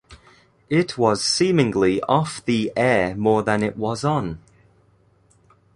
It was seemingly off the air more than it was on.